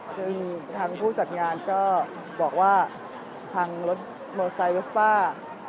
ซึ่งทางผู้จัดงานก็บอกว่าทางรถมอไซสป้า